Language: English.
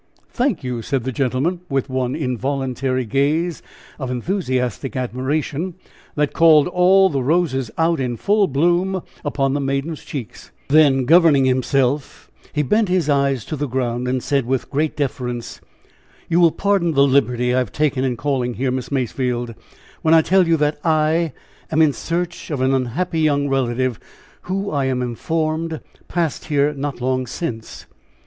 "Thank you," said the gentleman, with one involuntary gaze of enthusiastic admiration that called all the roses out in full bloom upon the maiden's cheeks; then governing himself, he bent his eyes to the ground, and said, with great deference: "You will pardon the liberty I have taken in calling here, Miss Mayfield, when I tell you that I am in search of an unhappy young relative, who, I am informed, passed here not long since."